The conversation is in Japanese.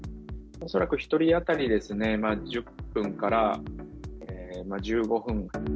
恐らく１人当たりですね、１０分から１５分。